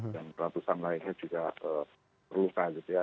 dan ratusan lainnya juga berluka gitu ya